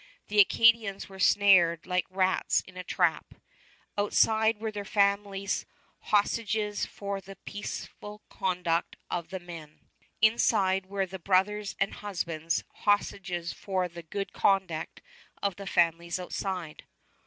The Acadians were snared like rats in a trap. Outside were their families, hostages for the peaceable conduct of the men. Inside were the brothers and husbands, hostages for the good conduct of the families outside.